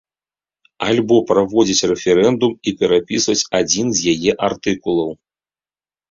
Альбо праводзіць рэферэндум і перапісваць адзін з яе артыкулаў.